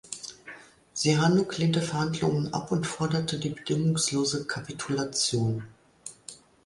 Sihanouk lehnte Verhandlungen ab und forderte die bedingungslose Kapitulation.